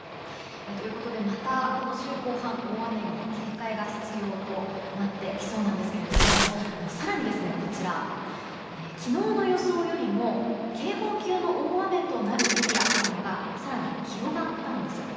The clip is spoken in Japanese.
ということでまた週後半は大雨に警戒が必要になりそうなんですが更に、昨日の予想よりも警報級の大雨となるエリアが更に広がったんです。